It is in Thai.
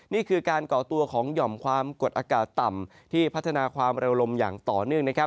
นี่คือการก่อตัวของหย่อมความกดอากาศต่ำที่พัฒนาความเร็วลมอย่างต่อเนื่องนะครับ